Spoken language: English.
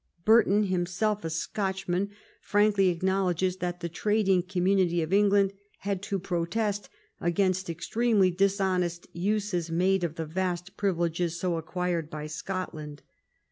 Burton, himself a Scotchman, frankly ac knowledges that the trading community of England had " to protest against extremely dishonest uses made of the vast privileges so acquired by Scotland."